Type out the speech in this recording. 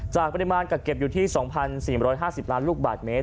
จากปริมาณกักเก็บอยู่ที่๒๔๕๐ล้านลูกบาทเมตร